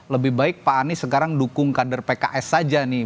lebih baik pak anies sekarang dukung kader pks saja nih